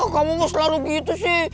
kamu selalu gitu sih